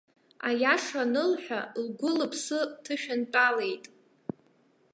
Аиаша анылҳәа, лгәылыԥсы ҭышәынтәалеит.